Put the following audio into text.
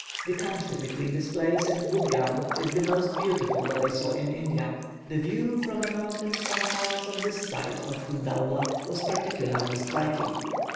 The country between this place and Woodgown is the most beautiful that I saw in India; the view from a mountain some miles on this side of Kundalla, was particularly striking.